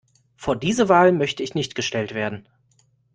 Vor diese Wahl möchte ich nicht gestellt werden.